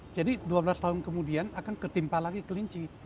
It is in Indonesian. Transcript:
jadi dua belas tahun kemudian akan ketimpa lagi kelinci